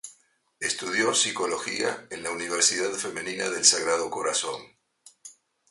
Estudió Psicología en la Universidad Femenina del Sagrado Corazón.